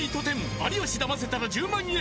「有吉ダマせたら１０万円」